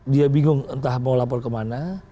dia bingung entah mau lapor kemana